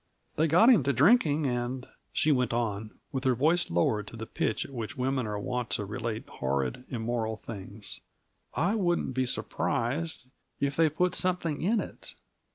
They got him to drinking and," she went on with her voice lowered to the pitch at which women are wont to relate horrid, immoral things, " I wouldn't be surprised if they put something in it!